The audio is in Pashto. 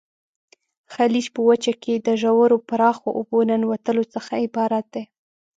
خلیج په وچه کې د ژورو پراخو اوبو ننوتلو څخه عبارت دی.